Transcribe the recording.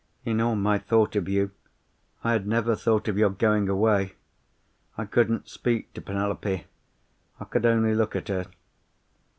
"In all my thoughts of you I had never thought of your going away. I couldn't speak to Penelope. I could only look at her.